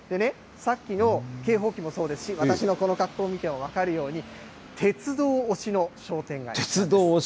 さっきの警報器もそうですし、私のこの格好を見ても分かるように、鉄道推しの商店街なんです。